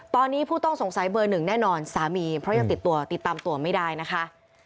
ตอนนี้ผู้ต้องสงสัยเบอร์หนึ่งแน่นอนสามีเพราะยังติดตัวติดตามตัวไม่ได้นะคะ